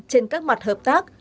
trên các mặt hợp tác